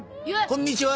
こんにちは。